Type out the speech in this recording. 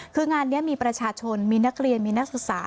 คืองานนี้มีประชาชนมีนักเรียนมีนักศึกษา